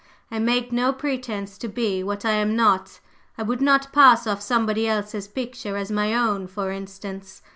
I make no pretence to be what I am not. I would not pass off somebody else's picture as my own, for instance.